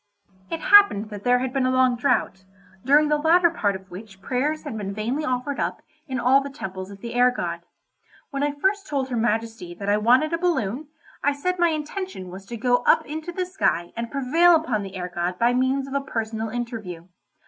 It happened that there had been a long drought, during the latter part of which prayers had been vainly offered up in all the temples of the air god. When I first told her Majesty that I wanted a balloon, I said my intention was to go up into the sky and prevail upon the air god by means of a personal interview.